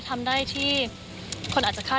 ชอบโมโหใส่คุณนิกเลยนะครับ